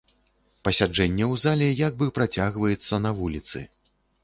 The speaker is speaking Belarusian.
Пасяджэнне ў зале як бы працягваецца на вуліцы.